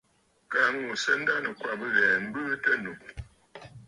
Kaa ŋù à sɨ a ndanɨ̀kwabə̀ ghɛ̀ɛ̀ m̀bɨɨ tɨ ànnù.